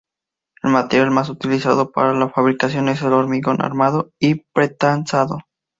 El material más utilizado para la fabricación es el hormigón armado y pretensado.